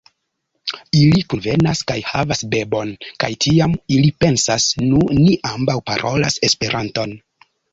Ili kunvenas kaj havas bebon, kaj tiam, ili pensas, "Nu, ni ambaŭ parolas Esperanton.